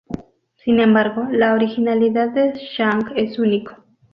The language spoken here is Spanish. Sin embargo, la originalidad de Zhang es único.